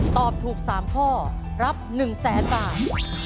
ตอบถูก๓ข้อรับ๑๐๐๐๐๐บาท